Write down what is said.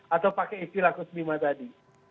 atau pakai istilah khus bima tadi